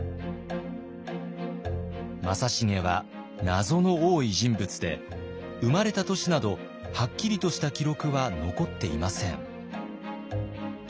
正成は謎の多い人物で生まれた年などはっきりとした記録は残っていません。